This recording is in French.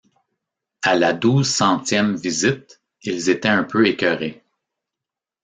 À la douze-centième visite, ils étaient un peu écœurés.